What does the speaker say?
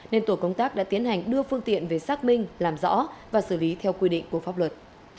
nên tổ công tác đã tiến hành đưa phương tiện về xác minh làm rõ và xử lý theo quy định của pháp luật